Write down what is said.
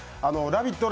ラヴィット！